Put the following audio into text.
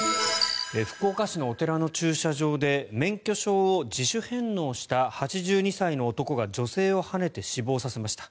福岡市のお寺の駐車場で免許を自主返納した８２歳の男が女性をはねて死亡させました。